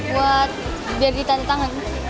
buat biar ditandatangan